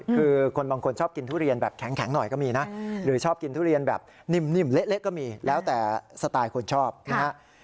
คือคนบางคนชอบกินทุเรียนแบบแข็งหน่อยก็มีนะหรือชอบกินทุเรียนแบบนิ่มเละก็มีแล้วแต่สไตล์คนชอบนะฮะ